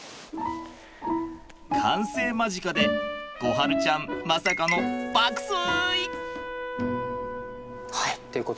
完成間近で心晴ちゃんまさかの爆睡！